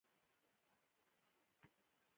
شرمېدلی! د یوګړي نرينه غایب لپاره.